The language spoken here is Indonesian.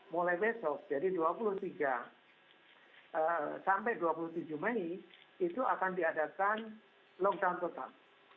mulai besok jadi dua puluh tiga sampai dua puluh tujuh mei itu akan diadakan lockdown total